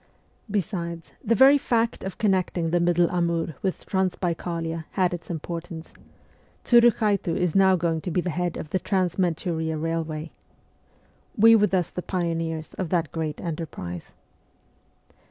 Besides, the very fact of connecting the middle Amur with Transbaikalia had its importance ; Tsurukhaitu is now going to be the head of the Trans Manchuria railway. We were thus the pioneers of that great enterprise.